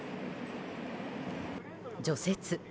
除雪。